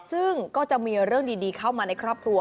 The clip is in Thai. ซึ่งก็จะมีเรื่องดีเข้ามาในครอบครัว